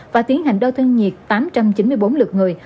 và tiến hành đo thân nhiệt tám trăm chín mươi bốn lượt người